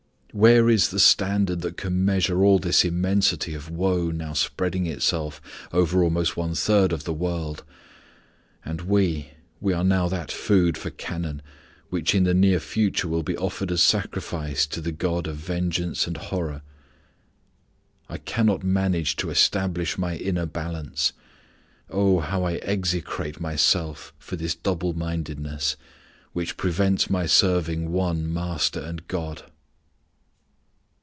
"] Where is the standard that can measure all this immensity of woe now spreading itself over almost one third of the world? And we, we are now that food for cannon, which in the near future will be offered as sacrifice to the God of vengeance and horror. I cannot manage to establish my inner balance. Oh! how I execrate myself for this double mindedness which prevents my serving one Master and God."